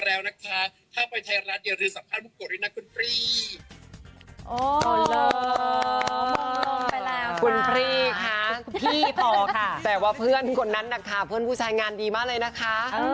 แล้วก็ทีละเป็นนางงามแล้วต้องโกรธการเรื่องนี้ออกมาก่อนค่ะ